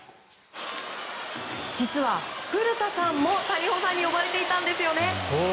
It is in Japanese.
実は、古田さんも谷保さんに呼ばれていたんですよね。